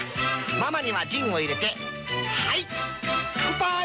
ママにはジンを入れてはい乾杯！